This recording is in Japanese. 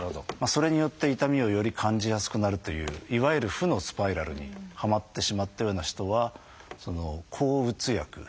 それによって痛みをより感じやすくなるといういわゆる負のスパイラルにはまってしまったような人は抗うつ薬気分を変えるような薬。